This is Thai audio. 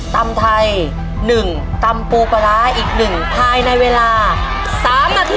ตำไทย๑ตำปูปลาร้าอีก๑ภายในเวลา๓นาที